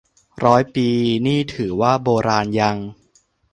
ร้อยปีนี่ถือว่าโบราณยัง